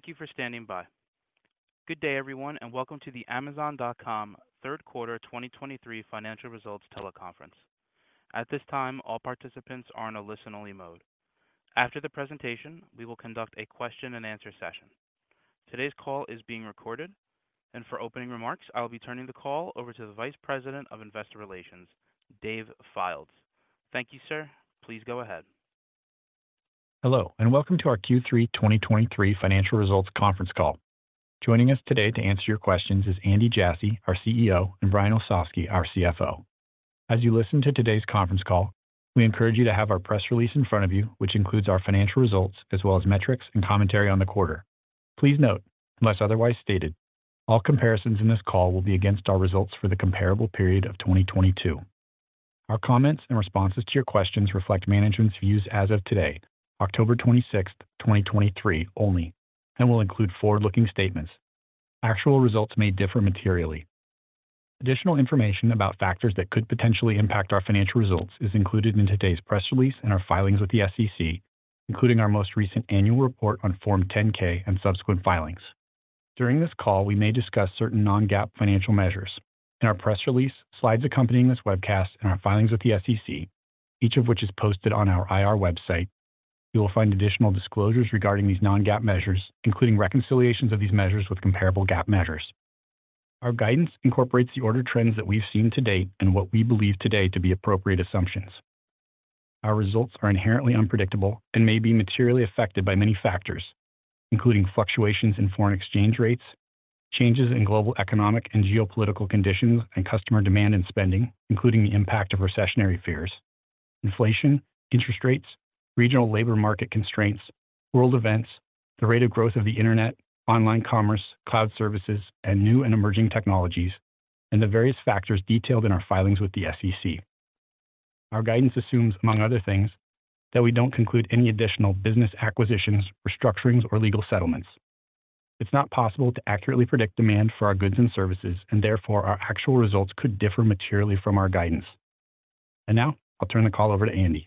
Thank you for standing by. Good day, everyone, and welcome to the Amazon.com third quarter 2023 financial results teleconference. At this time, all participants are in a listen-only mode. After the presentation, we will conduct a question-and-answer session. Today's call is being recorded, and for opening remarks, I will be turning the call over to the Vice President of Investor Relations, Dave Fildes. Thank you, sir. Please go ahead. Hello, and welcome to our Q3 2023 financial results conference call. Joining us today to answer your questions is Andy Jassy, our CEO, and Brian Olsavsky, our CFO. As you listen to today's conference call, we encourage you to have our press release in front of you, which includes our financial results, as well as metrics and commentary on the quarter. Please note, unless otherwise stated, all comparisons in this call will be against our results for the comparable period of 2022. Our comments and responses to your questions reflect management's views as of today, October 26th, 2023, only, and will include forward-looking statements. Actual results may differ materially. Additional information about factors that could potentially impact our financial results is included in today's press release and our filings with the SEC, including our most recent annual report on Form 10-K and subsequent filings. During this call, we may discuss certain non-GAAP financial measures. In our press release, slides accompanying this webcast, and our filings with the SEC, each of which is posted on our IR website, you will find additional disclosures regarding these non-GAAP measures, including reconciliations of these measures with comparable GAAP measures. Our guidance incorporates the order trends that we've seen to date and what we believe today to be appropriate assumptions. Our results are inherently unpredictable and may be materially affected by many factors, including fluctuations in foreign exchange rates, changes in global economic and geopolitical conditions, and customer demand and spending, including the impact of recessionary fears, inflation, interest rates, regional labor market constraints, world events, the rate of growth of the internet, online commerce, cloud services, and new and emerging technologies, and the various factors detailed in our filings with the SEC. Our guidance assumes, among other things, that we don't conclude any additional business acquisitions, restructurings, or legal settlements. It's not possible to accurately predict demand for our goods and services, and therefore, our actual results could differ materially from our guidance. Now, I'll turn the call over to Andy.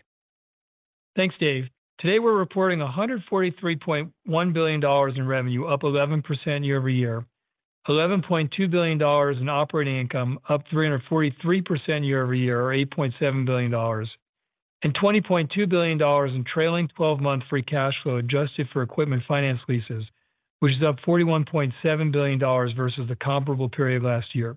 Thanks, Dave. Today, we're reporting $143.1 billion in revenue, up 11% year-over-year. $11.2 billion in operating income, up 343% year-over-year, or $8.7 billion, and $20.2 billion in trailing 12-month free cash flow adjusted for equipment finance leases, which is up $41.7 billion versus the comparable period last year.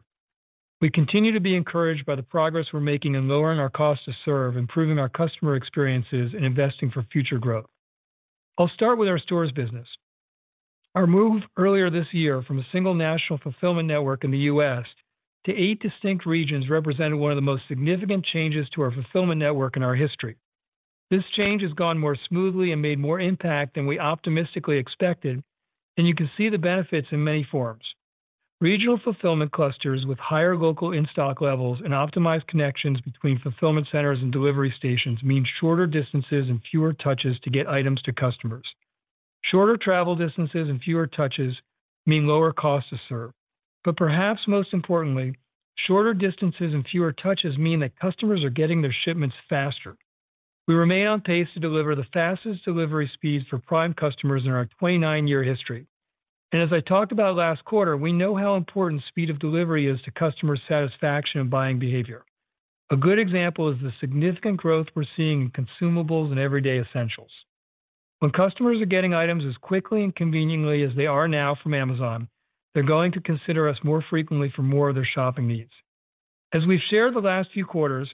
We continue to be encouraged by the progress we're making in lowering our cost to serve, improving our customer experiences, and investing for future growth. I'll start with our stores business. Our move earlier this year from a single national fulfillment network in the U.S. to eight distinct regions represented one of the most significant changes to our fulfillment network in our history. This change has gone more smoothly and made more impact than we optimistically expected, and you can see the benefits in many forms. Regional fulfillment clusters with higher local in-stock levels and optimized connections between fulfillment centers and delivery stations mean shorter distances and fewer touches to get items to customers. Shorter travel distances and fewer touches mean lower cost to serve. But perhaps most importantly, shorter distances and fewer touches mean that customers are getting their shipments faster. We remain on pace to deliver the fastest delivery speeds for Prime customers in our 29-year history. As I talked about last quarter, we know how important speed of delivery is to customer satisfaction and buying behavior. A good example is the significant growth we're seeing in consumables and everyday essentials. When customers are getting items as quickly and conveniently as they are now from Amazon, they're going to consider us more frequently for more of their shopping needs. As we've shared the last few quarters,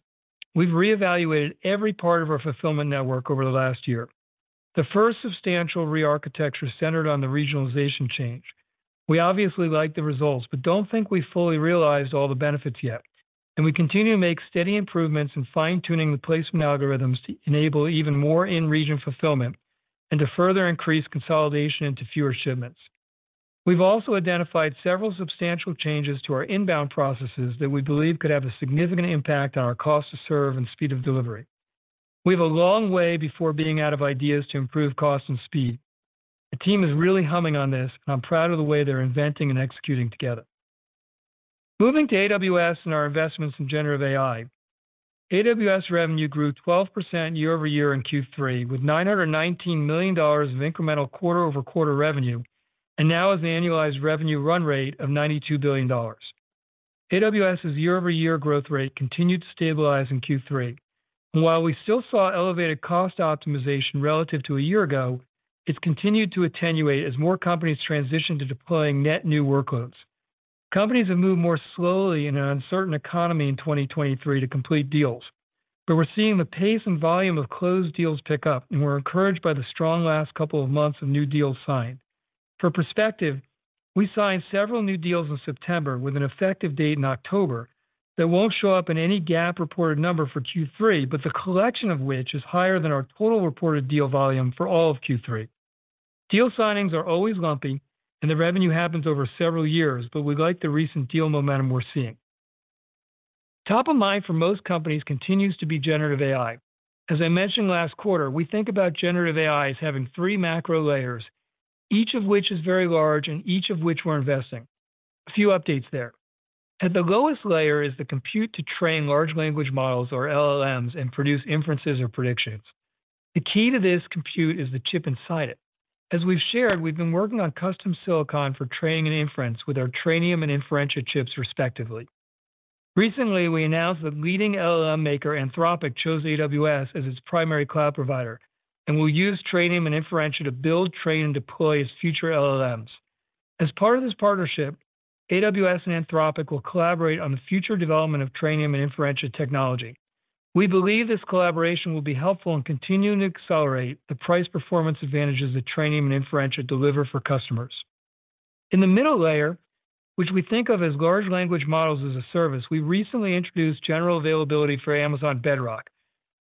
we've reevaluated every part of our fulfillment network over the last year. The first substantial rearchitecture centered on the regionalization change. We obviously like the results, but don't think we've fully realized all the benefits yet, and we continue to make steady improvements in fine-tuning the placement algorithms to enable even more in-region fulfillment and to further increase consolidation into fewer shipments. We've also identified several substantial changes to our inbound processes that we believe could have a significant impact on our cost to serve and speed of delivery. We have a long way before being out of ideas to improve cost and speed. The team is really humming on this, and I'm proud of the way they're inventing and executing together. Moving to AWS and our investments in generative AI. AWS revenue grew 12% year-over-year in Q3, with $919 million of incremental quarter-over-quarter revenue, and now has an annualized revenue run rate of $92 billion. AWS's year-over-year growth rate continued to stabilize in Q3, and while we still saw elevated cost optimization relative to a year ago, it's continued to attenuate as more companies transition to deploying net new workloads. Companies have moved more slowly in an uncertain economy in 2023 to complete deals, but we're seeing the pace and volume of closed deals pick up, and we're encouraged by the strong last couple of months of new deals signed. For perspective, we signed several new deals in September with an effective date in October that won't show up in any GAAP-reported number for Q3, but the collection of which is higher than our total reported deal volume for all of Q3. Deal signings are always lumpy, and the revenue happens over several years, but we like the recent deal momentum we're seeing. Top of mind for most companies continues to be generative AI. As I mentioned last quarter, we think about generative AI as having three macro layers, each of which is very large and each of which we're investing. A few updates there. At the lowest layer is the compute to train large language models, or LLMs, and produce inferences or predictions. The key to this compute is the chip inside it. As we've shared, we've been working on custom silicon for training and inference with our Trainium and Inferentia chips respectively. Recently, we announced that leading LLM maker, Anthropic, chose AWS as its primary cloud provider, and will use Trainium and Inferentia to build, train, and deploy its future LLMs. As part of this partnership, AWS and Anthropic will collaborate on the future development of Trainium and Inferentia technology. We believe this collaboration will be helpful in continuing to accelerate the price performance advantages that Trainium and Inferentia deliver for customers. In the middle layer, which we think of as large language models as a service, we recently introduced general availability for Amazon Bedrock,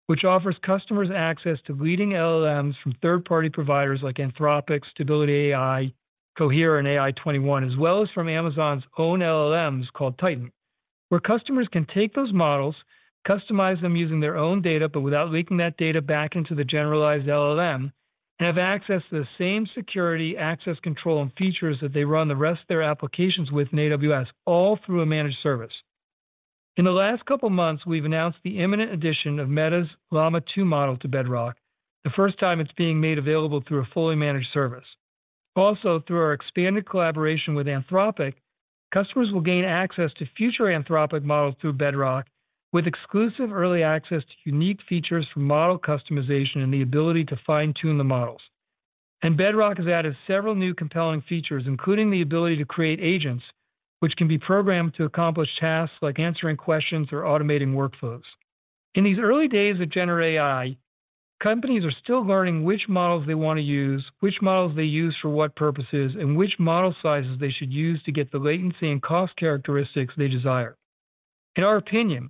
which offers customers access to leading LLMs from third-party providers like Anthropic, Stability AI, Cohere, and AI21, as well as from Amazon's own LLMs, called Titan. Where customers can take those models, customize them using their own data, but without leaking that data back into the generalized LLM, and have access to the same security, access control, and features that they run the rest of their applications with in AWS, all through a managed service. In the last couple of months, we've announced the imminent addition of Meta's Llama 2 model to Bedrock, the first time it's being made available through a fully managed service. Also, through our expanded collaboration with Anthropic, customers will gain access to future Anthropic models through Bedrock, with exclusive early access to unique features from model customization and the ability to fine-tune the models. Bedrock has added several new compelling features, including the ability to create agents, which can be programmed to accomplish tasks like answering questions or automating workflows. In these early days of generative AI, companies are still learning which models they want to use, which models they use for what purposes, and which model sizes they should use to get the latency and cost characteristics they desire. In our opinion,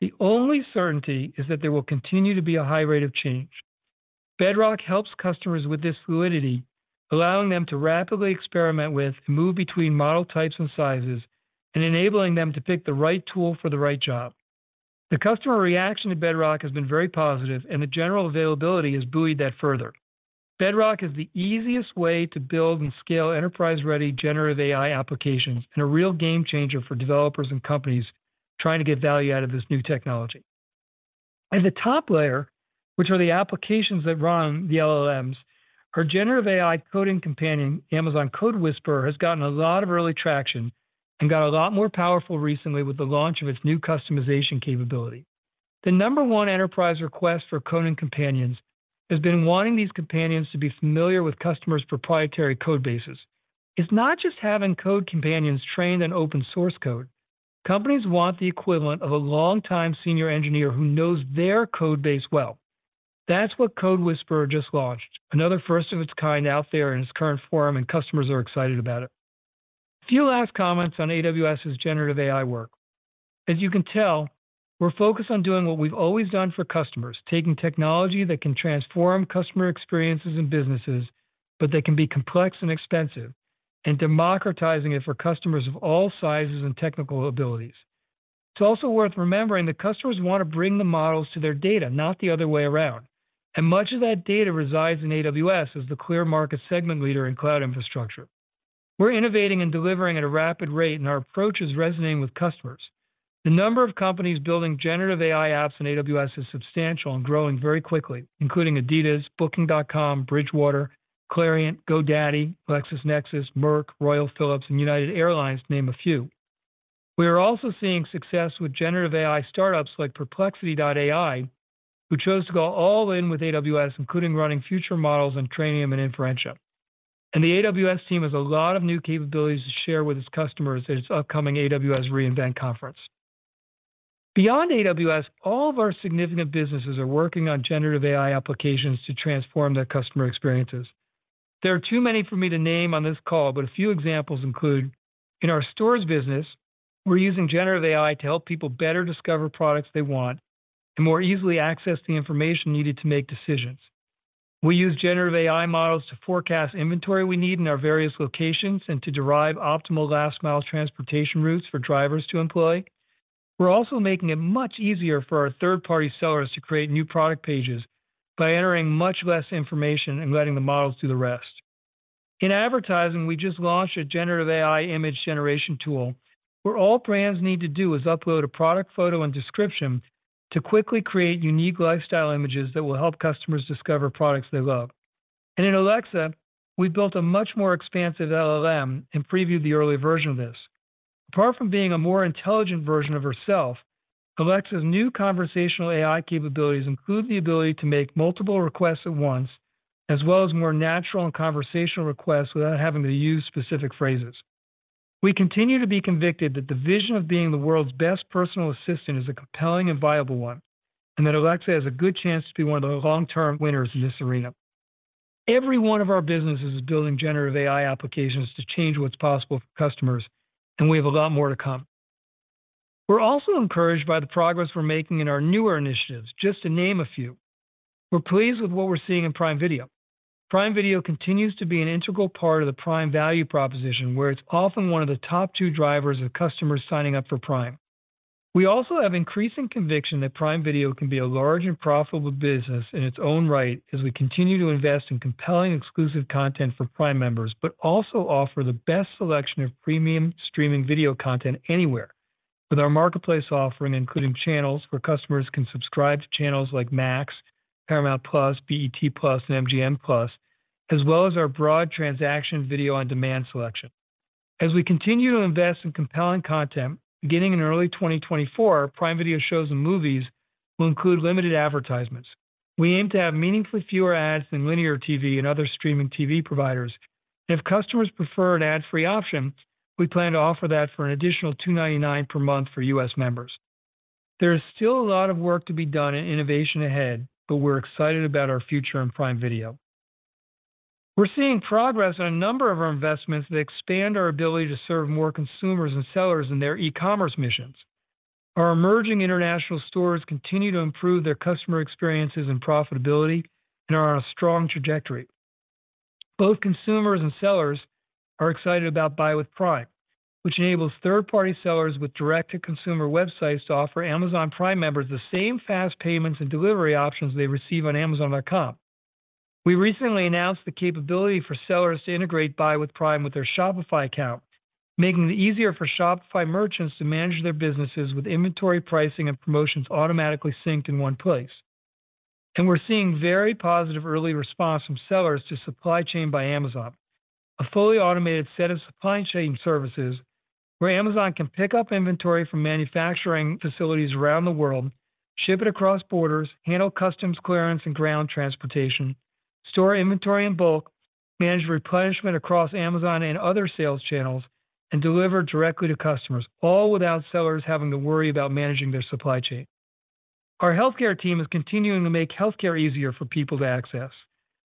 the only certainty is that there will continue to be a high rate of change. Bedrock helps customers with this fluidity, allowing them to rapidly experiment with and move between model types and sizes, and enabling them to pick the right tool for the right job. The customer reaction to Bedrock has been very positive, and the general availability has buoyed that further. Bedrock is the easiest way to build and scale enterprise-ready generative AI applications, and a real game changer for developers and companies trying to get value out of this new technology. At the top layer, which are the applications that run the LLMs, our generative AI coding companion, Amazon CodeWhisperer, has gotten a lot of early traction and got a lot more powerful recently with the launch of its new customization capability. The number one enterprise request for coding companions has been wanting these companions to be familiar with customers' proprietary code bases. It's not just having code companions trained in open source code. Companies want the equivalent of a long-time senior engineer who knows their code base well. That's what CodeWhisperer just launched, another first of its kind out there in its current form, and customers are excited about it. A few last comments on AWS's generative AI work. As you can tell, we're focused on doing what we've always done for customers, taking technology that can transform customer experiences and businesses, but that can be complex and expensive, and democratizing it for customers of all sizes and technical abilities. It's also worth remembering that customers want to bring the models to their data, not the other way around, and much of that data resides in AWS as the clear market segment leader in cloud infrastructure. We're innovating and delivering at a rapid rate, and our approach is resonating with customers. The number of companies building generative AI apps in AWS is substantial and growing very quickly, including Adidas, Booking.com, Bridgewater, Clariant, GoDaddy, LexisNexis, Merck, Royal Philips, and United Airlines, to name a few. We are also seeing success with generative AI startups like Perplexity, who chose to go all in with AWS, including running future models on Trainium and Inferentia. The AWS team has a lot of new capabilities to share with its customers at its upcoming AWS re:Invent conference. Beyond AWS, all of our significant businesses are working on generative AI applications to transform their customer experiences. There are too many for me to name on this call, but a few examples include: in our stores business, we're using generative AI to help people better discover products they want and more easily access the information needed to make decisions. We use generative AI models to forecast inventory we need in our various locations and to derive optimal last-mile transportation routes for drivers to employ. We're also making it much easier for our third-party sellers to create new product pages by entering much less information and letting the models do the rest. In advertising, we just launched a generative AI image generation tool, where all brands need to do is upload a product photo and description to quickly create unique lifestyle images that will help customers discover products they love. In Alexa, we've built a much more expansive LLM and previewed the early version of this. Apart from being a more intelligent version of herself, Alexa's new conversational AI capabilities include the ability to make multiple requests at once, as well as more natural and conversational requests without having to use specific phrases. We continue to be convicted that the vision of being the world's best personal assistant is a compelling and viable one, and that Alexa has a good chance to be one of the long-term winners in this arena. Every one of our businesses is building generative AI applications to change what's possible for customers, and we have a lot more to come. We're also encouraged by the progress we're making in our newer initiatives, just to name a few. We're pleased with what we're seeing in Prime Video. Prime Video continues to be an integral part of the Prime value proposition, where it's often one of the top two drivers of customers signing up for Prime. We also have increasing conviction that Prime Video can be a large and profitable business in its own right, as we continue to invest in compelling exclusive content for Prime members, but also offer the best selection of premium streaming video content anywhere, with our Marketplace offering, including channels, where customers can subscribe to channels like Max, Paramount+, BET+, and MGM+, as well as our broad transaction video on-demand selection. As we continue to invest in compelling content, beginning in early 2024, Prime Video shows and movies will include limited advertisements. We aim to have meaningfully fewer ads than linear TV and other streaming TV providers. If customers prefer an ad-free option, we plan to offer that for an additional $2.99 per month for U.S. members. There is still a lot of work to be done and innovation ahead, but we're excited about our future in Prime Video. We're seeing progress on a number of our investments that expand our ability to serve more consumers and sellers in their e-commerce missions. Our emerging international stores continue to improve their customer experiences and profitability and are on a strong trajectory. Both consumers and sellers are excited about Buy with Prime, which enables third-party sellers with direct-to-consumer websites to offer Amazon Prime members the same fast payments and delivery options they receive on Amazon.com. We recently announced the capability for sellers to integrate Buy with Prime with their Shopify account, making it easier for Shopify merchants to manage their businesses with inventory, pricing, and promotions automatically synced in one place. We're seeing very positive early response from sellers to Supply Chain by Amazon, a fully automated set of supply chain services where Amazon can pick up inventory from manufacturing facilities around the world, ship it across borders, handle customs clearance and ground transportation, store inventory in bulk, manage replenishment across Amazon and other sales channels, and deliver directly to customers, all without sellers having to worry about managing their supply chain. Our healthcare team is continuing to make healthcare easier for people to access.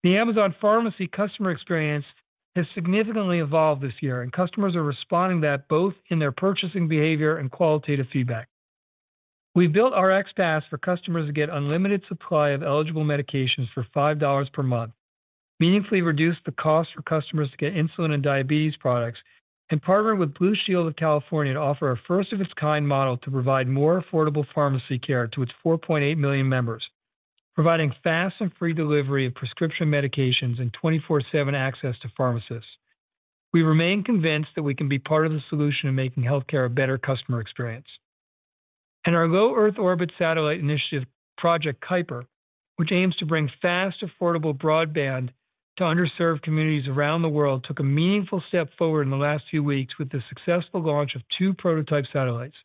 The Amazon Pharmacy customer experience has significantly evolved this year, and customers are responding to that both in their purchasing behavior and qualitative feedback. We built RxPass for customers to get unlimited supply of eligible medications for $5 per month, meaningfully reduce the cost for customers to get insulin and diabetes products, and partnered with Blue Shield of California to offer a first-of-its-kind model to provide more affordable pharmacy care to its 4.8 million members, providing fast and free delivery of prescription medications and 24/7 access to pharmacists. We remain convinced that we can be part of the solution in making healthcare a better customer experience. Our low Earth orbit satellite initiative, Project Kuiper, which aims to bring fast, affordable broadband to underserved communities around the world, took a meaningful step forward in the last few weeks with the successful launch of two prototype satellites.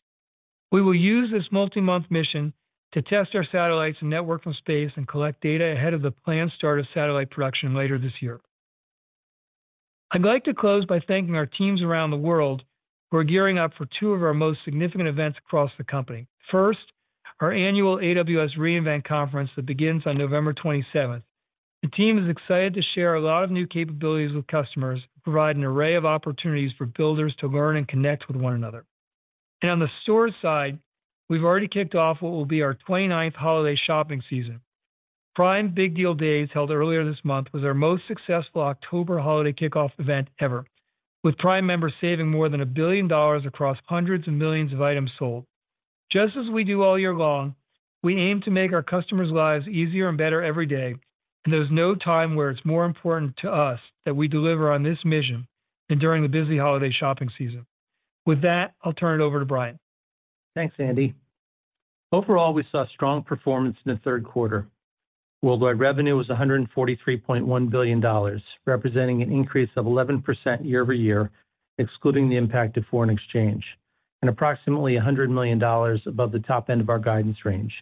We will use this multi-month mission to test our satellites and network from space and collect data ahead of the planned start of satellite production later this year. I'd like to close by thanking our teams around the world who are gearing up for two of our most significant events across the company. First, our annual AWS re:Invent Conference that begins on November 27th. The team is excited to share a lot of new capabilities with customers, provide an array of opportunities for builders to learn and connect with one another. On the store side, we've already kicked off what will be our 29th holiday shopping season. Prime Big Deal Days, held earlier this month, was our most successful October holiday kickoff event ever, with Prime members saving more than $1 billion across hundreds of millions of items sold. Just as we do all year long, we aim to make our customers' lives easier and better every day, and there's no time where it's more important to us that we deliver on this mission than during the busy holiday shopping season. With that, I'll turn it over to Brian. Thanks, Andy. Overall, we saw strong performance in the third quarter. Worldwide revenue was $143.1 billion, representing an increase of 11% year-over-year, excluding the impact of foreign exchange, and approximately $100 million above the top end of our guidance range.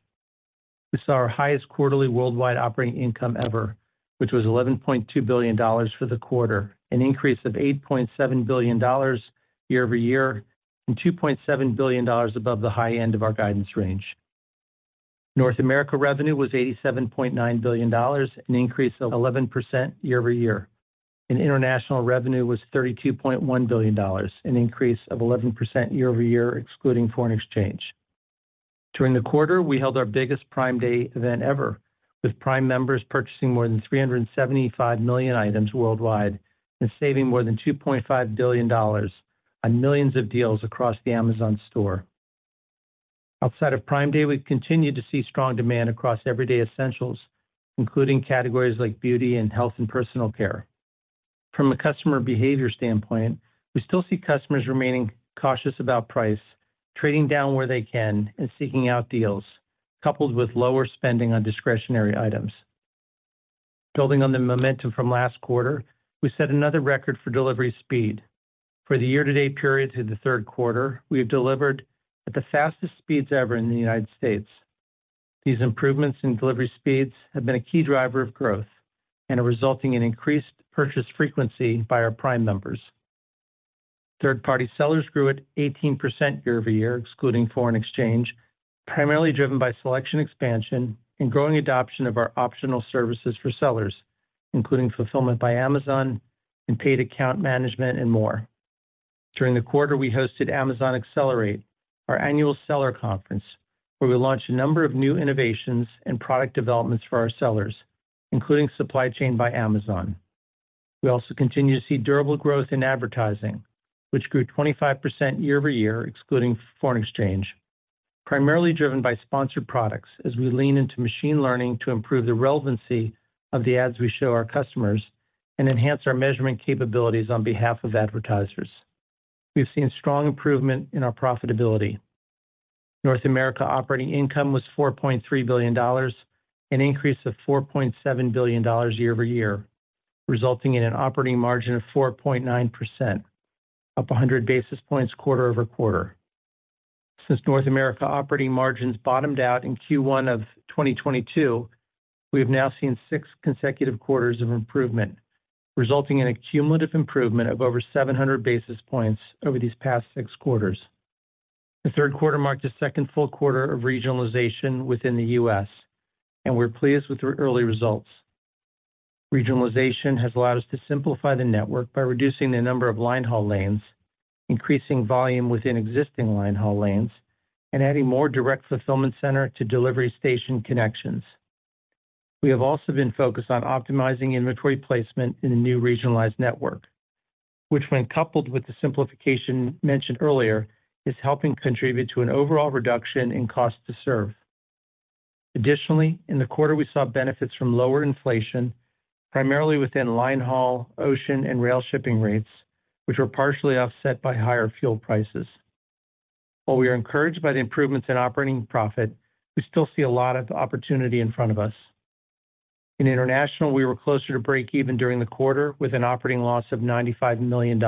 We saw our highest quarterly worldwide operating income ever, which was $11.2 billion for the quarter, an increase of $8.7 billion year-over-year, and $2.7 billion above the high end of our guidance range. North America revenue was $87.9 billion, an increase of 11% year-over-year. International revenue was $32.1 billion, an increase of 11% year-over-year, excluding foreign exchange. During the quarter, we held our biggest Prime Day event ever, with Prime members purchasing more than 375 million items worldwide and saving more than $2.5 billion on millions of deals across the Amazon store. Outside of Prime Day, we've continued to see strong demand across everyday essentials, including categories like beauty and health and personal care. From a customer behavior standpoint, we still see customers remaining cautious about price, trading down where they can, and seeking out deals, coupled with lower spending on discretionary items. Building on the momentum from last quarter, we set another record for delivery speed. For the year-to-date period to the third quarter, we have delivered at the fastest speeds ever in the United States. These improvements in delivery speeds have been a key driver of growth and are resulting in increased purchase frequency by our Prime members. Third-party sellers grew at 18% year-over-year, excluding foreign exchange, primarily driven by selection, expansion, and growing adoption of our optional services for sellers, including Fulfillment by Amazon and paid account management, and more. During the quarter, we hosted Amazon Accelerate, our annual seller conference, where we launched a number of new innovations and product developments for our sellers, including Supply Chain by Amazon. We also continue to see durable growth in advertising, which grew 25% year-over-year, excluding foreign exchange, primarily driven by Sponsored Products, as we lean into machine learning to improve the relevancy of the ads we show our customers and enhance our measurement capabilities on behalf of advertisers. We've seen strong improvement in our profitability. North America operating income was $4.3 billion, an increase of $4.7 billion year-over-year, resulting in an operating margin of 4.9%, up 100 basis points quarter-over-quarter. Since North America operating margins bottomed out in Q1 of 2022, we have now seen six consecutive quarters of improvement, resulting in a cumulative improvement of over 700 basis points over these past six quarters. The third quarter marked the second full quarter of regionalization within the U.S., and we're pleased with the early results. Regionalization has allowed us to simplify the network by reducing the number of line haul lanes, increasing volume within existing line haul lanes, and adding more direct fulfillment center to delivery station connections. We have also been focused on optimizing inventory placement in the new regionalized network, which, when coupled with the simplification mentioned earlier, is helping contribute to an overall reduction in cost to serve. Additionally, in the quarter, we saw benefits from lower inflation, primarily within line haul, ocean, and rail shipping rates, which were partially offset by higher fuel prices. While we are encouraged by the improvements in operating profit, we still see a lot of opportunity in front of us. In international, we were closer to breakeven during the quarter, with an operating loss of $95 million.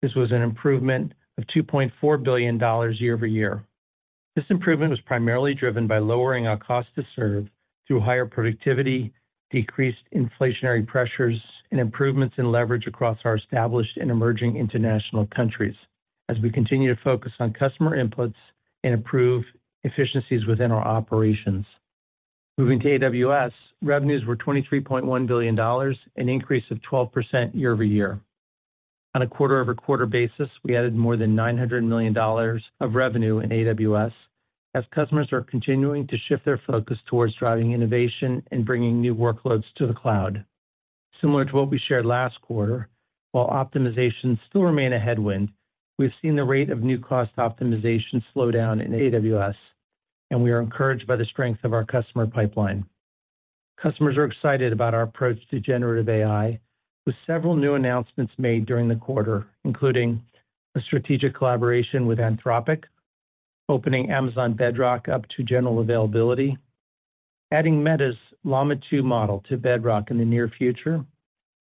This was an improvement of $2.4 billion year-over-year. This improvement was primarily driven by lowering our cost to serve through higher productivity, decreased inflationary pressures, and improvements in leverage across our established and emerging international countries as we continue to focus on customer inputs and improve efficiencies within our operations. Moving to AWS, revenues were $23.1 billion, an increase of 12% year-over-year. On a quarter-over-quarter basis, we added more than $900 million of revenue in AWS, as customers are continuing to shift their focus towards driving innovation and bringing new workloads to the cloud. Similar to what we shared last quarter, while optimizations still remain a headwind, we've seen the rate of new cost optimization slow down in AWS, and we are encouraged by the strength of our customer pipeline. Customers are excited about our approach to generative AI, with several new announcements made during the quarter, including a strategic collaboration with Anthropic, opening Amazon Bedrock up to general availability, adding Meta's Llama 2 model to Bedrock in the near future,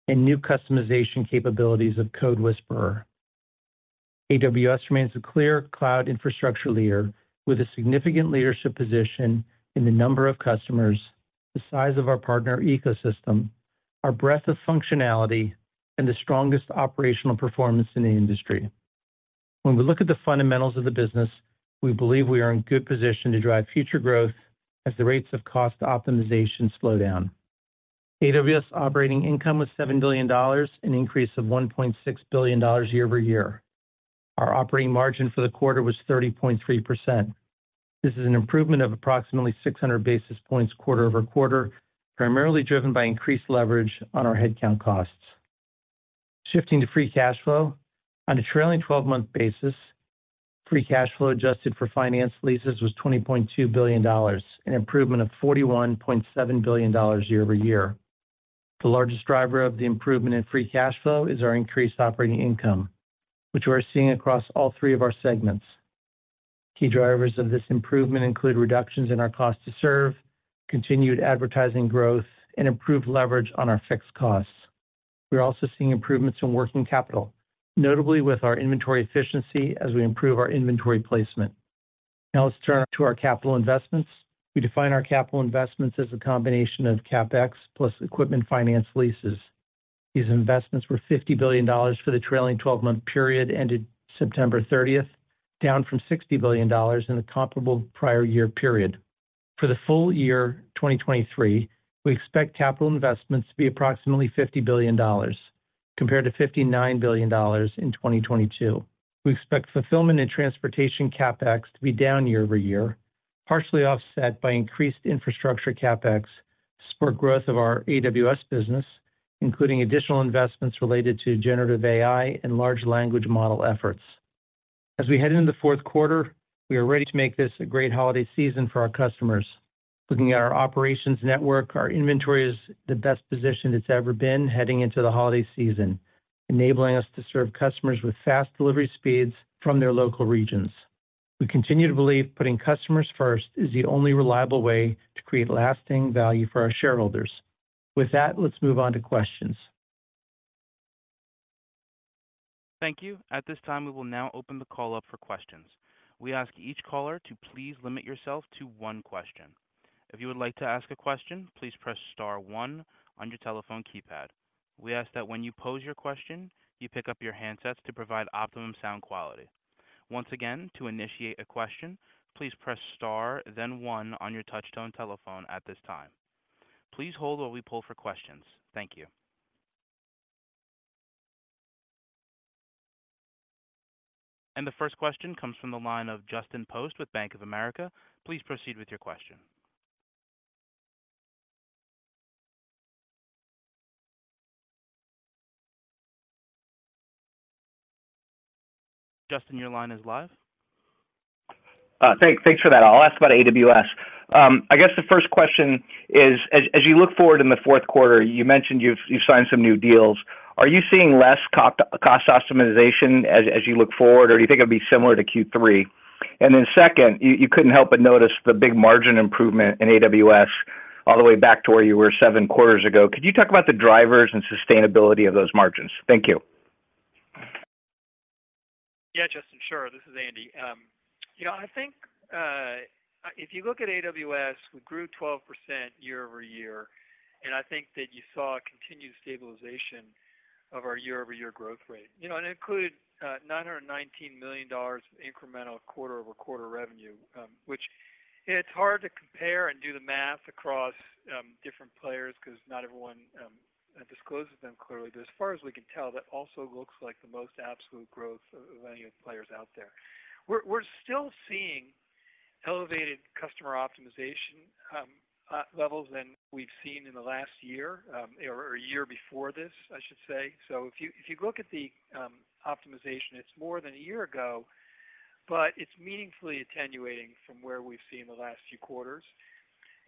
and new customization capabilities of CodeWhisperer. AWS remains a clear cloud infrastructure leader, with a significant leadership position in the number of customers, the size of our partner ecosystem, our breadth of functionality, and the strongest operational performance in the industry. When we look at the fundamentals of the business, we believe we are in good position to drive future growth as the rates of cost optimization slow down. AWS operating income was $7 billion, an increase of $1.6 billion year-over-year. Our operating margin for the quarter was 30.3%. This is an improvement of approximately 600 basis points quarter-over-quarter, primarily driven by increased leverage on our headcount costs. Shifting to free cash flow. On a trailing-12-month basis, free cash flow adjusted for finance leases was $20.2 billion, an improvement of $41.7 billion year-over-year. The largest driver of the improvement in free cash flow is our increased operating income, which we are seeing across all three of our segments. Key drivers of this improvement include reductions in our cost to serve, continued advertising growth, and improved leverage on our fixed costs. We're also seeing improvements in working capital, notably with our inventory efficiency as we improve our inventory placement. Now let's turn to our capital investments. We define our capital investments as a combination of CapEx plus equipment finance leases. These investments were $50 billion for the trailing 12-month period ended September 30th, down from $60 billion in the comparable prior year period. For the full year 2023, we expect capital investments to be approximately $50 billion, compared to $59 billion in 2022. We expect fulfillment and transportation CapEx to be down year-over-year, partially offset by increased infrastructure CapEx, spur growth of our AWS business, including additional investments related to generative AI and large language model efforts. As we head into the fourth quarter, we are ready to make this a great holiday season for our customers. Looking at our operations network, our inventory is the best position it's ever been heading into the holiday season, enabling us to serve customers with fast delivery speeds from their local regions. We continue to believe putting customers first is the only reliable way to create lasting value for our shareholders. With that, let's move on to questions. Thank you. At this time, we will now open the call up for questions. We ask each caller to please limit yourself to one question. If you would like to ask a question, please press star one on your telephone keypad. We ask that when you pose your question, you pick up your handsets to provide optimum sound quality. Once again, to initiate a question, please press star, then one on your touchtone telephone at this time. Please hold while we poll for questions. Thank you. The first question comes from the line of Justin Post with Bank of America. Please proceed with your question. Justin, your line is live. Thanks, thanks for that. I'll ask about AWS. I guess the first question is, as you look forward in the fourth quarter, you mentioned you've signed some new deals. Are you seeing less cost optimization as you look forward, or do you think it'll be similar to Q3? Then second, you couldn't help but notice the big margin improvement in AWS all the way back to where you were seven quarters ago. Could you talk about the drivers and sustainability of those margins? Thank you. Yeah, Justin, sure. This is Andy. You know, I think, if you look at AWS, we grew 12% year-over-year, and I think that you saw a continued stabilization of our year-over-year growth rate. You know, and it included, $999 million of incremental quarter-over-quarter revenue, which it's hard to compare and do the math across, different players because not everyone, discloses them clearly. But as far as we can tell, that also looks like the most absolute growth of any of the players out there. We're still seeing elevated customer optimization, levels than we've seen in the last year, or a year before this, I should say. So if you look at the optimization, it's more than a year ago, but it's meaningfully attenuating from where we've seen the last few quarters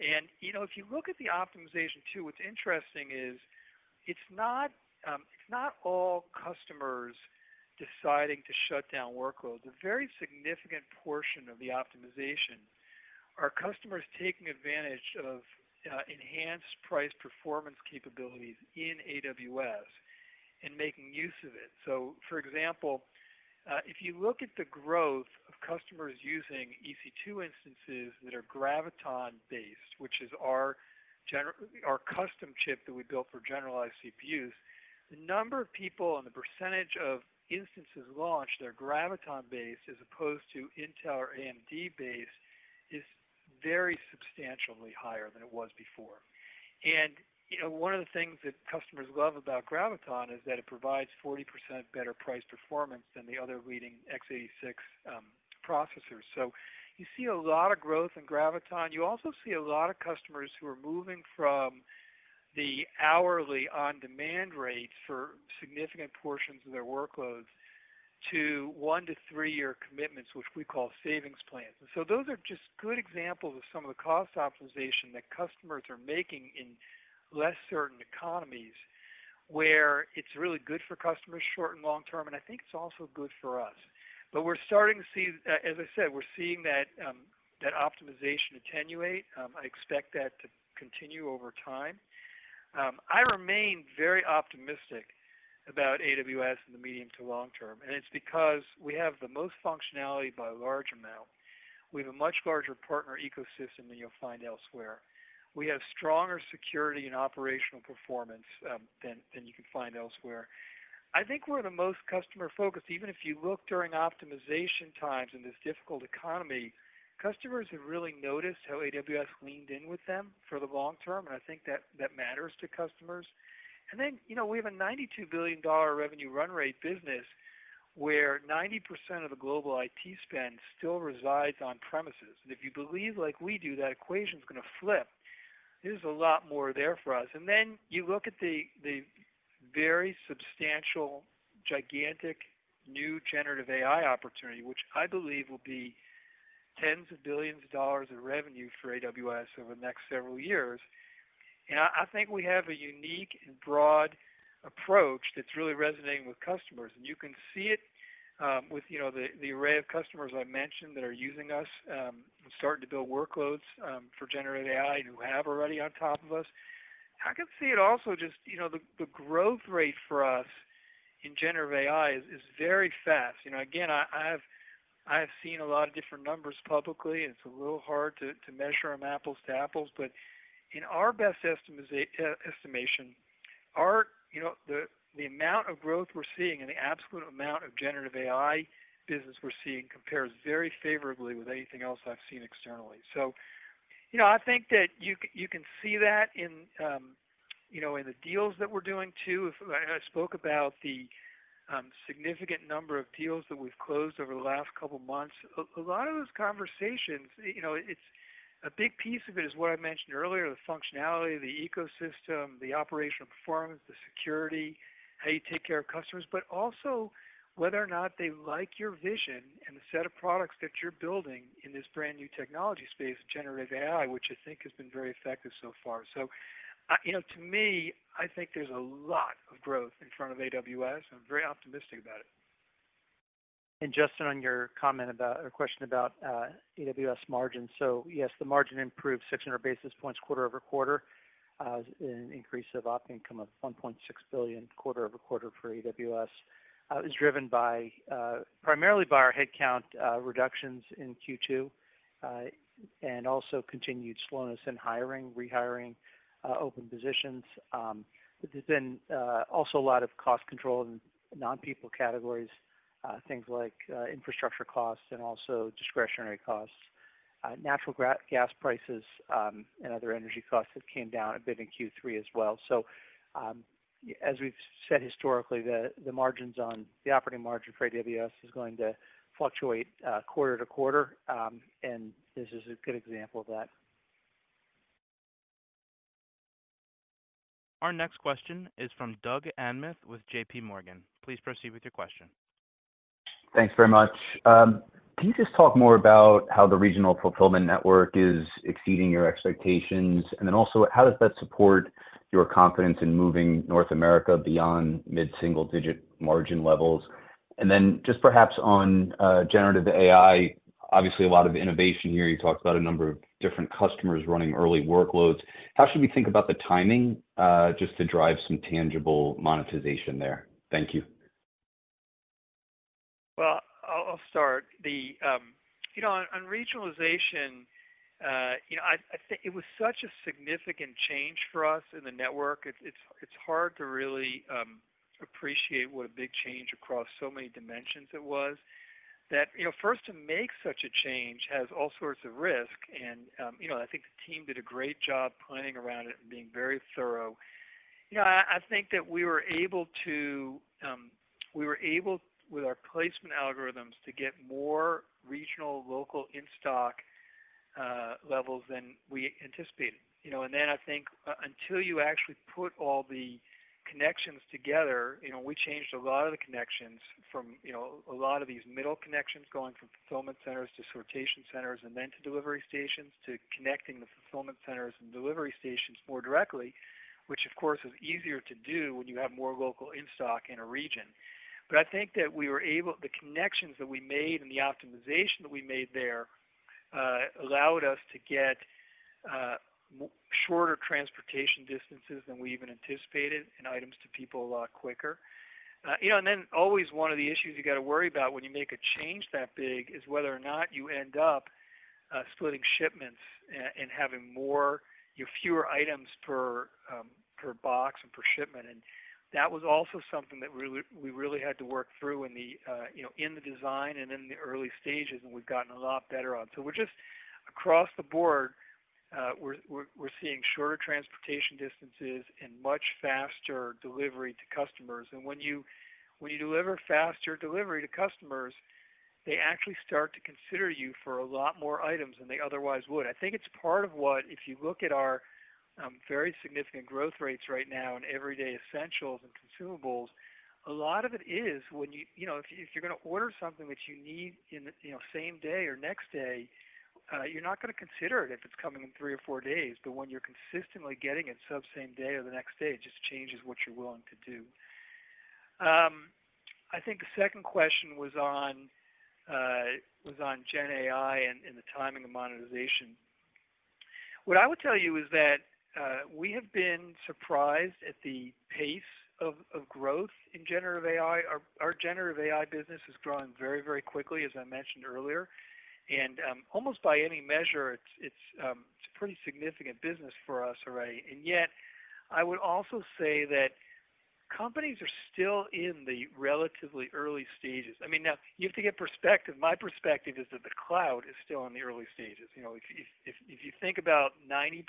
and, you know, if you look at the optimization too, what's interesting is, it's not, it's not all customers deciding to shut down workloads. A very significant portion of the optimization are customers taking advantage of enhanced price performance capabilities in AWS and making use of it. So for example, if you look at the growth of customers using EC2 instances that are Graviton-based, which is our custom chip that we built for generalized CPUs, the number of people and the percentage of instances launched, that are Graviton-based, as opposed to Intel or AMD-based, is very substantially higher than it was before. You know, one of the things that customers love about Graviton is that it provides 40% better price performance than the other leading x86 processors. So you see a lot of growth in Graviton. You also see a lot of customers who are moving from the hourly on-demand rates for significant portions of their workloads to 1-3-year commitments, which we call Savings Plans. So those are just good examples of some of the cost optimization that customers are making in less certain economies, where it's really good for customers, short and long term, and I think it's also good for us. But we're starting to see, as I said, we're seeing that optimization attenuate. I expect that to continue over time. I remain very optimistic about AWS in the medium to long term, and it's because we have the most functionality by a large amount. We have a much larger partner ecosystem than you'll find elsewhere. We have stronger security and operational performance than you can find elsewhere. I think we're the most customer-focused. Even if you look during optimization times in this difficult economy, customers have really noticed how AWS leaned in with them for the long term, and I think that matters to customers. Then, you know, we have a $92 billion revenue run rate business, where 90% of the global IT spend still resides on premises. If you believe like we do, that equation is going to flip. There's a lot more there for us. Then you look at the very substantial, gigantic, new generative AI opportunity, which I believe will be tens of billions of dollars in revenue for AWS over the next several years. I think we have a unique and broad approach that's really resonating with customers, and you can see it with, you know, the array of customers I mentioned that are using us and starting to build workloads for generative AI and who have already on top of us. I can see it also just, you know, the growth rate for us in generative AI is very fast. You know, again, I’ve seen a lot of different numbers publicly, and it's a little hard to measure them apples to apples, but in our best estimation. You know, the amount of growth we're seeing and the absolute amount of generative AI business we're seeing compares very favorably with anything else I've seen externally. So, you know, I think that you can see that in, you know, in the deals that we're doing too. I spoke about the significant number of deals that we've closed over the last couple of months. A lot of those conversations, you know, it's a big piece of it is what I mentioned earlier, the functionality, the ecosystem, the operational performance, the security, how you take care of customers, but also whether or not they like your vision and the set of products that you're building in this brand-new technology space, generative AI, which I think has been very effective so far. So, you know, to me, I think there's a lot of growth in front of AWS, and I'm very optimistic about it. Justin, on your comment about, or question about, AWS margins. So yes, the margin improved 600 basis points quarter-over-quarter, an increase of operating income of $1.6 billion quarter-over-quarter for AWS, is driven by, primarily by our headcount, reductions in Q2, and also continued slowness in hiring, rehiring, open positions. But there's been, also a lot of cost control in non-people categories, things like, infrastructure costs and also discretionary costs, natural gas prices, and other energy costs that came down a bit in Q3 as well. So, as we've said historically, the margins on the operating margin for AWS is going to fluctuate quarter-to-quarter, and this is a good example of that. Our next question is from Doug Anmuth with JPMorgan. Please proceed with your question. Thanks very much. Can you just talk more about how the regional fulfillment network is exceeding your expectations? Then also, how does that support your confidence in moving North America beyond mid-single digit margin levels? Then just perhaps on, generative AI, obviously, a lot of innovation here. You talked about a number of different customers running early workloads. How should we think about the timing, just to drive some tangible monetization there? Thank you. Well, I'll start. You know, on regionalization, you know, I think it was such a significant change for us in the network. It's hard to really appreciate what a big change across so many dimensions it was. You know, first, to make such a change has all sorts of risk and, you know, I think the team did a great job planning around it and being very thorough. You know, I think that we were able to, with our placement algorithms, to get more regional, local in-stock levels than we anticipated. Then I think, until you actually put all the connections together, you know, we changed a lot of the connections from, you know, a lot of these middle connections going from fulfillment centers to sortation centers, and then to delivery stations, to connecting the fulfillment centers and delivery stations more directly, which, of course, is easier to do when you have more local in-stock in a region. But I think that the connections that we made and the optimization that we made there allowed us to get shorter transportation distances than we even anticipated, and items to people a lot quicker. Then always one of the issues you gotta worry about when you make a change that big is whether or not you end up splitting shipments and having more, you know, fewer items per per box and per shipment. That was also something that we really had to work through in the, you know, in the design and in the early stages, and we've gotten a lot better on. So we're just... Across the board, we're seeing shorter transportation distances and much faster delivery to customers and when you deliver faster delivery to customers, they actually start to consider you for a lot more items than they otherwise would. I think it's part of what if you look at our very significant growth rates right now in everyday essentials and consumables, a lot of it is when you... You know, if you're gonna order something that you need in, you know, same day or next day, you're not gonna consider it if it's coming in three or four days. But when you're consistently getting it sub same day or the next day, it just changes what you're willing to do. I think the second question was on gen AI and the timing of monetization. What I would tell you is that we have been surprised at the pace of growth in generative AI. Our generative AI business is growing very, very quickly, as I mentioned earlier, and almost by any measure, it's a pretty significant business for us already. Yet, I would also say that companies are still in the relatively early stages. I mean, now, you have to get perspective. My perspective is that the cloud is still in the early stages. You know, if you think about 90%+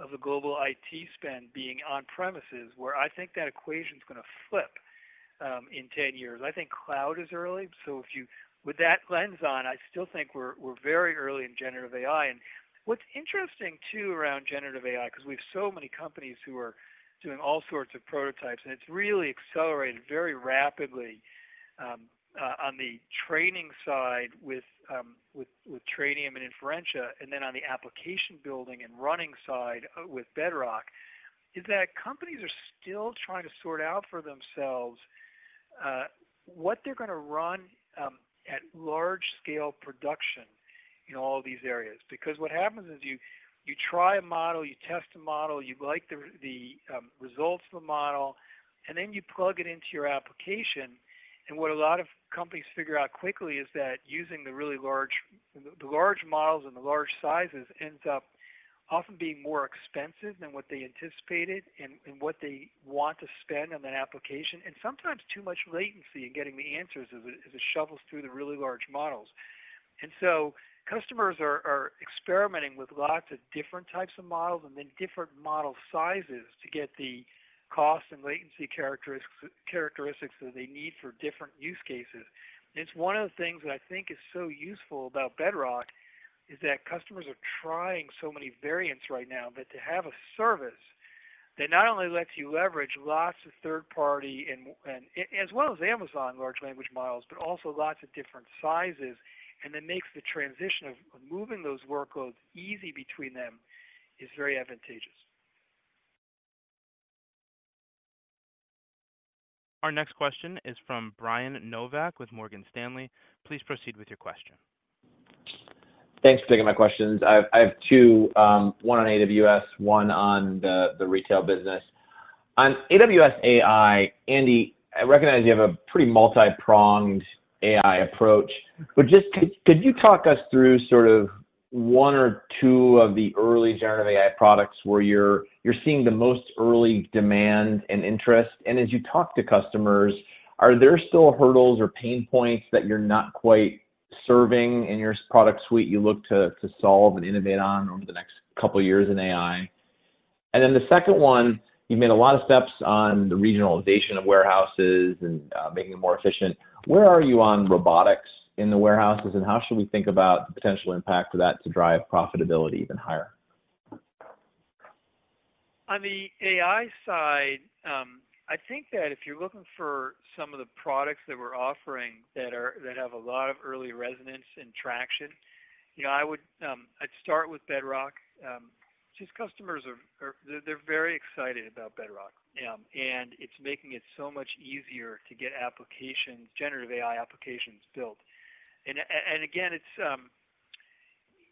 of the global IT spend being on premises, where I think that equation's gonna flip in 10 years. I think cloud is early, so with that lens on, I still think we're very early in generative AI. What's interesting, too, around generative AI, 'cause we have so many companies who are doing all sorts of prototypes, and it's really accelerated very rapidly, on the training side with Trainium and Inferentia, and then on the application building and running side, with Bedrock, is that companies are still trying to sort out for themselves, what they're gonna run, at large scale production in all these areas. What happens is you try a model, you test a model, you like the results of the model, and then you plug it into your application, and what a lot of companies figure out quickly is that using the really large models and the large sizes ends up often being more expensive than what they anticipated and what they want to spend on that application, and sometimes too much latency in getting the answers as it shuffles through the really large models. So customers are experimenting with lots of different types of models and then different model sizes to get the cost and latency characteristics that they need for different use cases. It's one of the things that I think is so useful about Bedrock, is that customers are trying so many variants right now. But to have a service that not only lets you leverage lots of third-party and as well as Amazon large language models, but also lots of different sizes, and then makes the transition of moving those workloads easy between them, is very advantageous. Our next question is from Brian Nowak with Morgan Stanley. Please proceed with your question. Thanks for taking my questions. I have two, one on AWS, one on the retail business. On AWS AI, Andy, I recognize you have a pretty multipronged AI approach, but just could you talk us through sort of one or two of the early generative AI products where you're seeing the most early demand and interest? As you talk to customers, are there still hurdles or pain points that you're not quite serving in your product suite, you look to, to solve and innovate on over the next couple of years in AI? Then the second one, you've made a lot of steps on the regionalization of warehouses and, making it more efficient. Where are you on robotics in the warehouses, and how should we think about the potential impact of that to drive profitability even higher? On the AI side, I think that if you're looking for some of the products that we're offering that have a lot of early resonance and traction, you know, I would, I'd start with Bedrock. These customers are, they're very excited about Bedrock, and it's making it so much easier to get applications, generative AI applications built. Again, it's,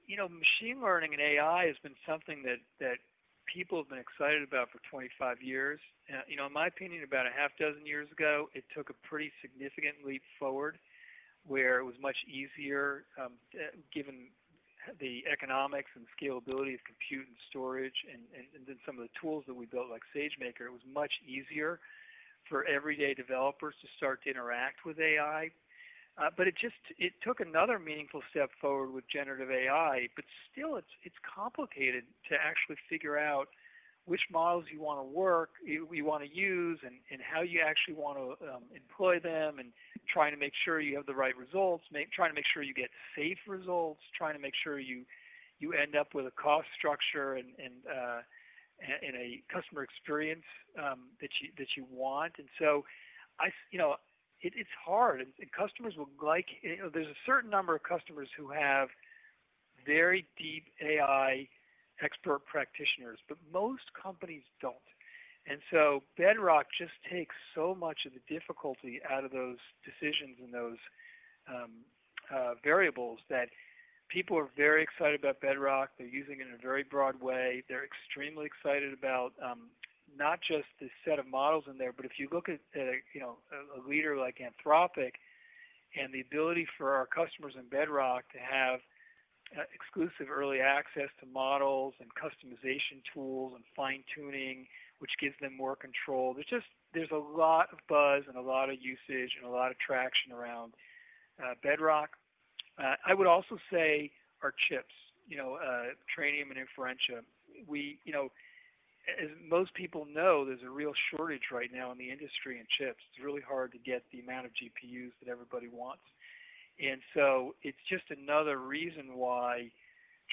you know, machine learning and AI has been something that people have been excited about for 25 years. You know, in my opinion, about six years ago, it took a pretty significant leap forward, where it was much easier, given the economics and scalability of compute and storage, and then some of the tools that we built, like SageMaker, it was much easier for everyday developers to start to interact with AI. But it took another meaningful step forward with generative AI, but still it's complicated to actually figure out which models you wanna work, you wanna use, and how you actually want to employ them, and trying to make sure you have the right results, trying to make sure you get safe results, trying to make sure you end up with a cost structure and a customer experience that you want. So you know, it, it's hard and customers would like... You know, there's a certain number of customers who have very deep AI expert practitioners, but most companies don't. So Bedrock just takes so much of the difficulty out of those decisions and those variables, that people are very excited about Bedrock. They're using it in a very broad way. They're extremely excited about not just the set of models in there, but if you look at a leader like Anthropic, and the ability for our customers in Bedrock to have exclusive early access to models and customization tools and fine-tuning, which gives them more control. There's a lot of buzz and a lot of usage and a lot of traction around Bedrock. I would also say our chips, you know, Trainium and Inferentia. You know, as most people know, there's a real shortage right now in the industry in chips. It's really hard to get the amount of GPUs that everybody wants. So it's just another reason why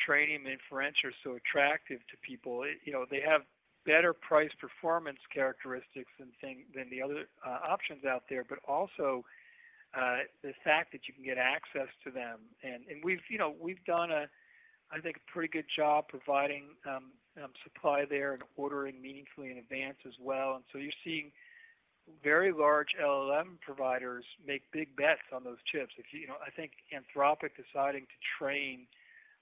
Trainium and Inferentia are so attractive to people. You know, they have better price-performance characteristics than the other options out there, but also the fact that you can get access to them and we've, you know, we've done a, I think, a pretty good job providing supply there and ordering meaningfully in advance as well. So you're seeing very large LLM providers make big bets on those chips. If, you know, I think Anthropic deciding to train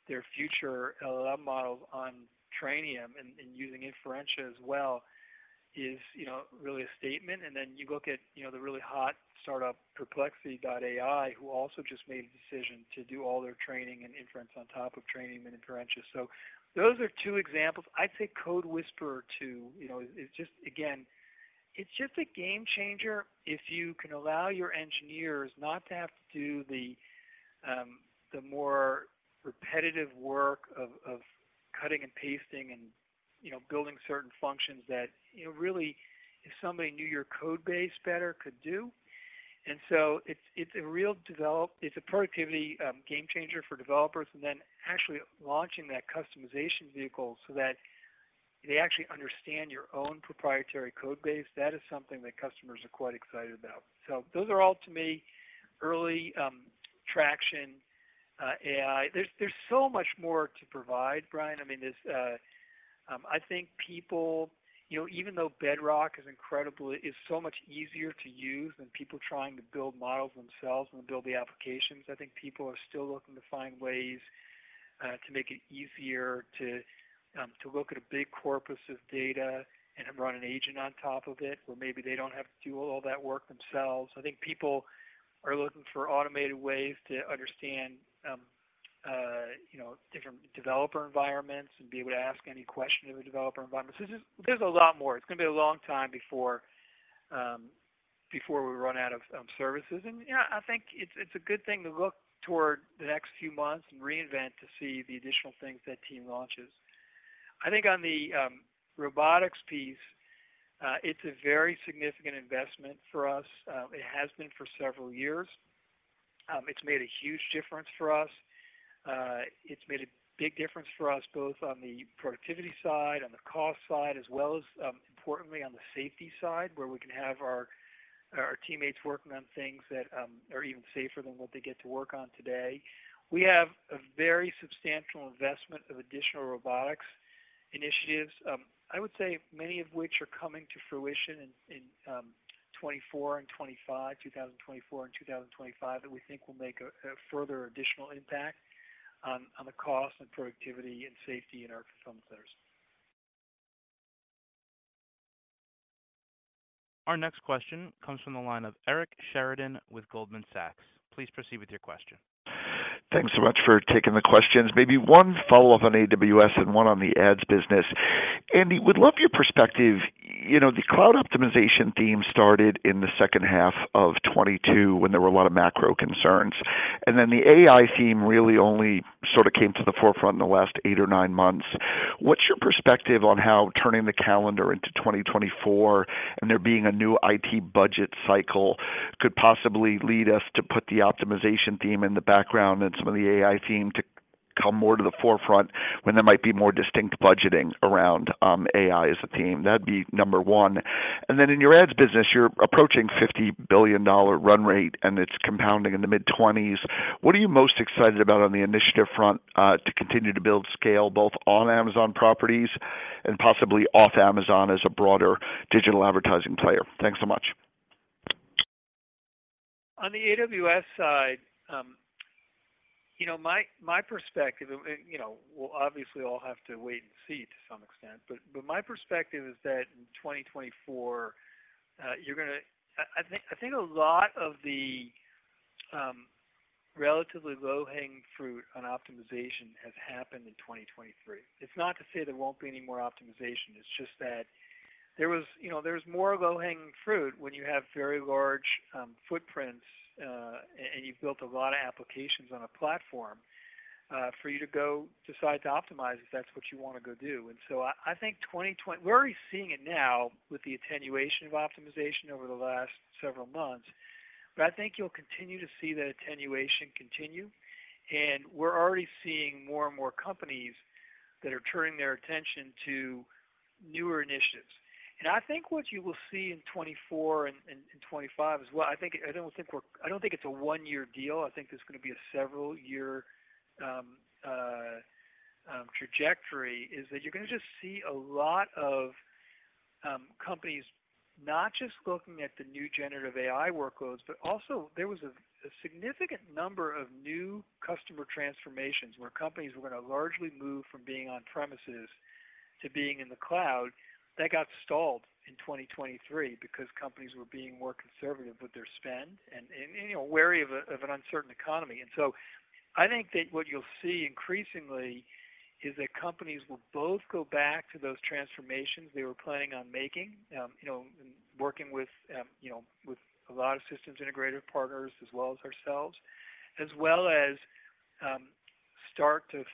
their future LLM models on Trainium and using Inferentia as well is really a statement, and then you look at, you know, the really hot startup, Perplexity.ai, who also just made a decision to do all their training and inference on top of Trainium and Inferentia. So those are two examples. I'd say CodeWhisperer, too, you know, is just... Again, it's just a game changer if you can allow your engineers not to have to do the more repetitive work of cutting and pasting and, you know, building certain functions that, you know, really, if somebody knew your code base better, could do. So it's a real productivity game changer for developers, and then actually launching that customization vehicle so that they actually understand your own proprietary code base. That is something that customers are quite excited about. So those are all, to me, early traction AI. There's so much more to provide, Brian. I mean, there's I think people... You know, even though Bedrock is so much easier to use than people trying to build models themselves and build the applications, I think people are still looking to find ways to make it easier to look at a big corpus of data and run an agent on top of it, where maybe they don't have to do all that work themselves. I think people are looking for automated ways to understand you know, different developer environments and be able to ask any question in a developer environment. So there's a lot more. It's going to be a long time before we run out of services. Yeah, I think it's a good thing to look toward the next few months and re:Invent to see the additional things that team launches. I think on the robotics piece, it's a very significant investment for us. It has been for several years. It's made a huge difference for us. It's made a big difference for us, both on the productivity side, on the cost side, as well as, importantly, on the safety side, where we can have our teammates working on things that are even safer than what they get to work on today. We have a very substantial investment of additional robotics initiatives, I would say, many of which are coming to fruition in 2024 and 2025, 2024 and 2025, that we think will make a further additional impact on the cost and productivity and safety in our fulfillment centers. Our next question comes from the line of Eric Sheridan with Goldman Sachs. Please proceed with your question. Thanks so much for taking the questions. Maybe one follow-up on AWS and one on the ads business. Andy, would love your perspective. You know, the cloud optimization theme started in the second half of 2022 when there were a lot of macro concerns, and then the AI theme really only sort of came to the forefront in the last eight or nine months. What's your perspective on how turning the calendar into 2024 and there being a new IT budget cycle could possibly lead us to put the optimization theme in the background and some of the AI theme to come more to the forefront when there might be more distinct budgeting around AI as a theme? That'd be number one. Then in your ads business, you're approaching $50 billion run rate, and it's compounding in the mid-20s. What are you most excited about on the initiative front, to continue to build scale, both on Amazon properties and possibly off Amazon as a broader digital advertising player? Thanks so much. On the AWS side, you know, my perspective, you know, we'll obviously all have to wait and see to some extent, but my perspective is that in 2024, you're gonna... I think a lot of the relatively low-hanging fruit on optimization has happened in 2023. It's not to say there won't be any more optimization, it's just that there was, you know, there was more low-hanging fruit when you have very large footprints, and you've built a lot of applications on a platform, for you to go decide to optimize if that's what you want to go do. So I think we're already seeing it now with the attenuation of optimization over the last several months, but I think you'll continue to see that attenuation continue, and we're already seeing more and more companies that are turning their attention to newer initiatives. I think what you will see in 2024 and 2025 as well. I think I don't think it's a one-year deal. I think there's going to be a several-year trajectory, is that you're going to just see a lot of companies not just looking at the new generative AI workloads, but also there was a significant number of new customer transformations where companies were going to largely move from being on-premises to being in the cloud. That got stalled in 2023 because companies were being more conservative with their spend and, you know, wary of an uncertain economy. So I think that what you'll see increasingly is that companies will both go back to those transformations they were planning on making, you know, working with, you know, with a lot of systems integrator partners as well as ourselves. As well as, start to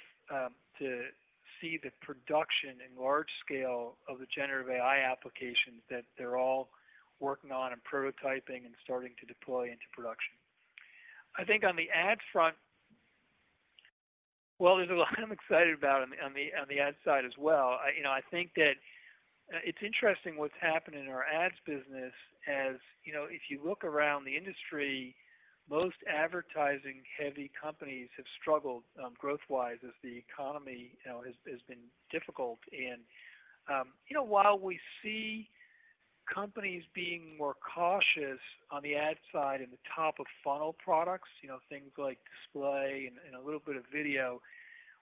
see the production and large scale of the generative AI applications that they're all working on and prototyping and starting to deploy into production. I think on the ad front, well, there's a lot I'm excited about on the, on the ad side as well. I, you know, I think that, it's interesting what's happened in our ads business. As you know, if you look around the industry, most advertising-heavy companies have struggled growth-wise, as the economy, you know, has been difficult and, you know, while we see companies being more cautious on the ad side in the top-of-funnel products, you know, things like display and a little bit of video,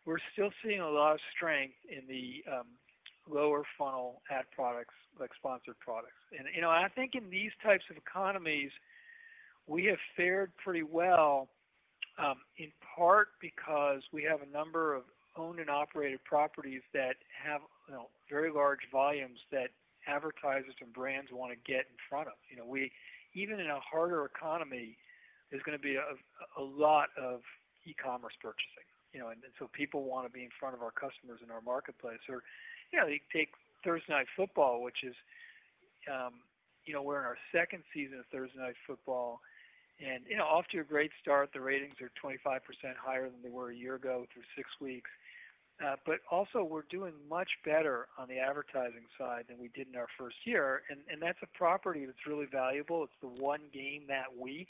we're still seeing a lot of strength in the lower funnel ad products, like Sponsored Products. You know, I think in these types of economies, we have fared pretty well, in part because we have a number of owned and operated properties that have, you know, very large volumes that advertisers and brands want to get in front of. You know, even in a harder economy, there's gonna be a lot of e-commerce purchasing, you know, and so people want to be in front of our customers in our marketplace or, you know, you take Thursday Night Football, which is, you know, we're in our second season of Thursday Night Football, and, you know, off to a great start. The ratings are 25% higher than they were a year ago through six weeks. But also we're doing much better on the advertising side than we did in our first year, and that's a property that's really valuable. It's the one game that week,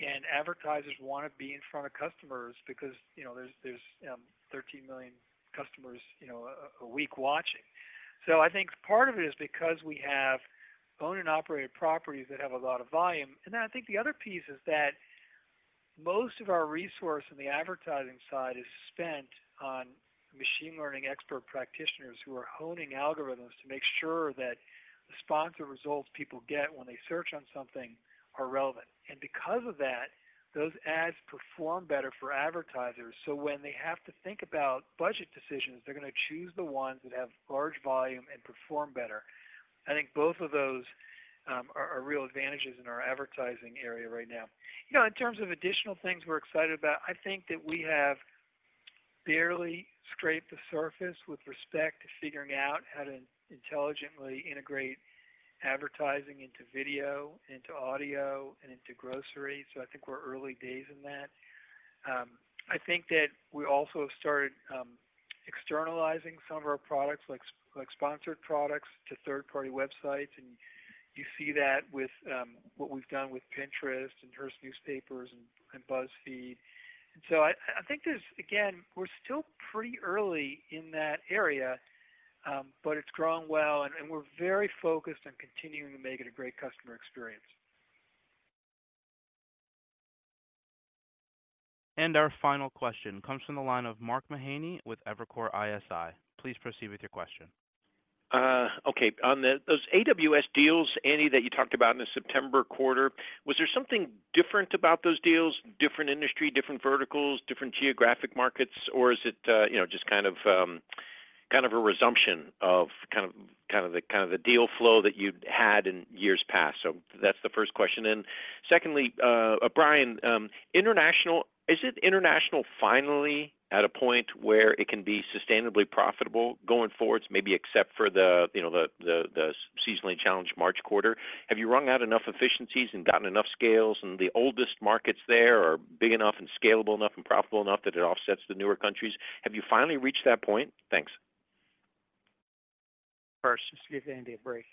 and advertisers wanna be in front of customers because, you know, there's 13 million customers, you know, a week watching. So I think part of it is because we have owned and operated properties that have a lot of volume. Then I think the other piece is that most of our resource on the advertising side is spent on machine learning expert practitioners who are honing algorithms to make sure that the sponsored results people get when they search on something are relevant and because of that, those ads perform better for advertisers. So when they have to think about budget decisions, they're gonna choose the ones that have large volume and perform better. I think both of those are real advantages in our advertising area right now. You know, in terms of additional things we're excited about, I think that we have barely scraped the surface with respect to figuring out how to intelligently integrate advertising into video, into audio, and into grocery. So I think we're early days in that. I think that we also have started externalizing some of our products, like Sponsored Products, to third-party websites, and you see that with what we've done with Pinterest and Hearst Newspapers and BuzzFeed. So I think there's... Again, we're still pretty early in that area, but it's growing well, and we're very focused on continuing to make it a great customer experience. Our final question comes from the line of Mark Mahaney with Evercore ISI. Please proceed with your question. Okay. On the, those AWS deals, Andy, that you talked about in the September quarter, was there something different about those deals? Different industry, different verticals, different geographic markets, or is it, you know, just kind of a resumption of kind of, kind of the, kind of the deal flow that you'd had in years past? So that's the first question. Secondly, Brian, international— Is it international finally at a point where it can be sustainably profitable going forward, maybe except for the, you know, the, the, the seasonally challenged March quarter? Have you wrung out enough efficiencies and gotten enough scales, and the oldest markets there are big enough and scalable enough and profitable enough that it offsets the newer countries? Have you finally reached that point? Thanks. First, just give Andy a break.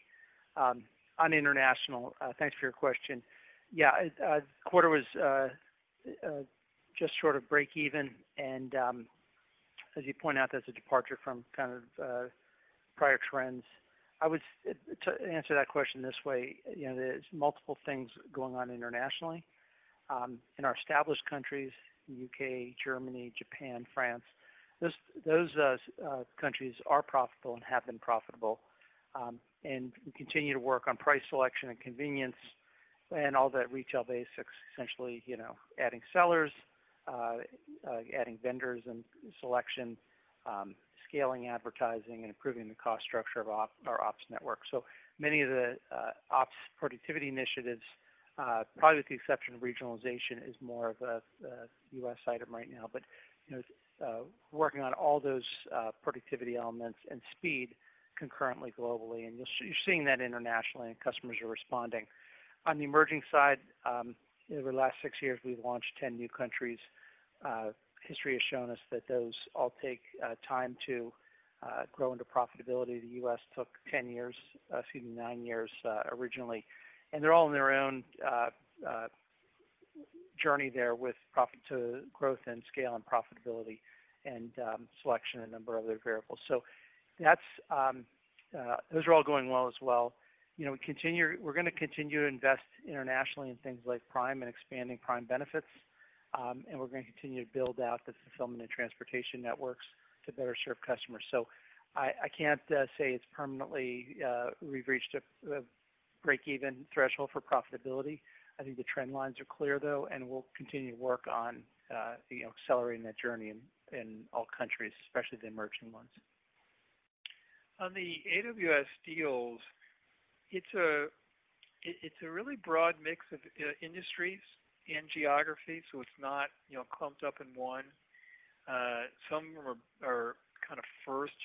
On international, thanks for your question. Yeah, the quarter was just short of breakeven, and, as you point out, that's a departure from kind of prior trends. I would say to answer that question this way: you know, there's multiple things going on internationally. In our established countries, U.K., Germany, Japan, France, those countries are profitable and have been profitable, and we continue to work on price selection and convenience and all that retail basics, essentially, you know, adding sellers, adding vendors and selection, scaling advertising, and improving the cost structure of our ops network. Many of the ops productivity initiatives, probably with the exception of regionalization, is more of a U.S. item right now. But, you know, we're working on all those productivity elements and speed concurrently, globally, and you're seeing that internationally, and customers are responding. On the emerging side, over the last six years, we've launched 10 new countries. History has shown us that those all take time to grow into profitability. The U.S. took 10 years, excuse me, nine years, originally and they're all in their own journey there with profit to growth and scale and profitability and selection, a number of other variables. So those are all going well as well. You know, we continue. We're gonna continue to invest internationally in things like Prime and expanding Prime benefits and we're going to continue to build out the fulfillment and transportation networks to better serve customers. So, I can't say it's permanently we've reached a break-even threshold for profitability. I think the trend lines are clear, though, and we'll continue to work on, you know, accelerating that journey in all countries, especially the emerging ones. On the AWS deals, it's a really broad mix of industries and geographies, so it's not, you know, clumped up in one. Some of them are kind of first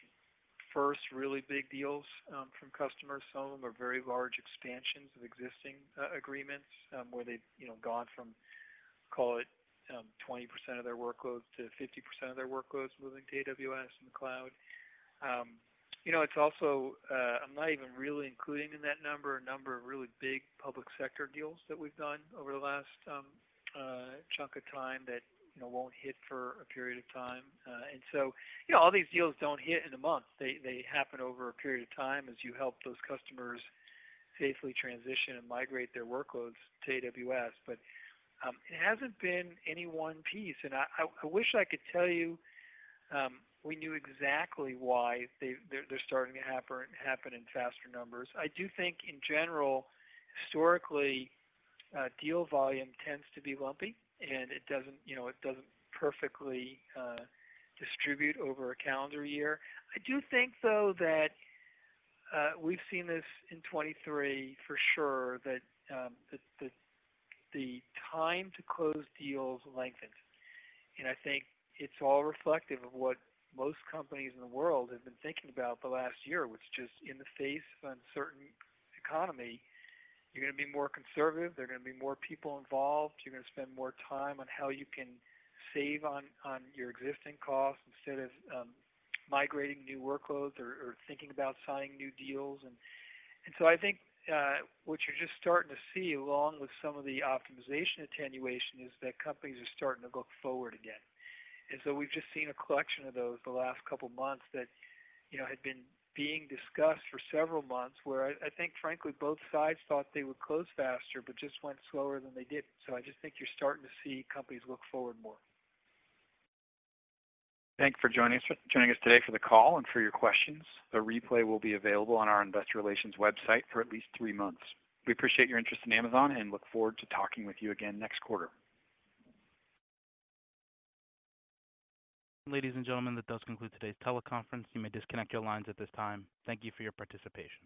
really big deals from customers. Some of them are very large expansions of existing agreements, where they've, you know, gone from, call it, 20% of their workloads to 50% of their workloads moving to AWS in the cloud. You know, it's also, I'm not even really including in that number, a number of really big public sector deals that we've done over the last chunk of time that, you know, won't hit for a period of time and so, you know, all these deals don't hit in a month. They happen over a period of time as you help those customers safely transition and migrate their workloads to AWS. But, it hasn't been any one piece, and I wish I could tell you, we knew exactly why they're starting to happen in faster numbers. I do think in general, historically, deal volume tends to be lumpy, and it doesn't, you know, it doesn't perfectly distribute over a calendar year. I do think, though, that, we've seen this in 2023 for sure, that the time to close deals lengthened. I think it's all reflective of what most companies in the world have been thinking about the last year, which is just in the face of uncertain economy, you're gonna be more conservative, there are gonna be more people involved, you're gonna spend more time on how you can save on your existing costs instead of migrating new workloads or thinking about signing new deals. So I think what you're just starting to see, along with some of the optimization attenuation, is that companies are starting to look forward again. So we've just seen a collection of those the last couple of months that, you know, had been being discussed for several months, where I think, frankly, both sides thought they would close faster, but just went slower than they did. So I just think you're starting to see companies look forward more. Thank you for joining us today for the call and for your questions. The replay will be available on our investor relations website for at least three months. We appreciate your interest in Amazon, and look forward to talking with you again next quarter. Ladies and gentlemen, that does conclude today's teleconference. You may disconnect your lines at this time. Thank you for your participation.